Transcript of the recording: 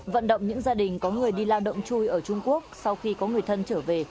vận động những gia đình có người đi lao động chui ở trung quốc sau khi có người thân trở về